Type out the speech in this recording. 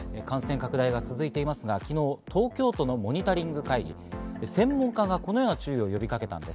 感染者の確認が続いていますが、都のモニタリング会議で専門家がこのような注意を呼びかけました。